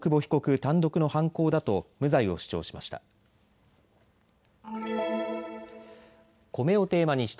単独の犯行だと無罪を主張しました。